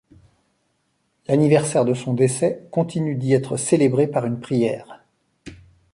L'anniversaire de son décès continue d'y être célébré par une prière.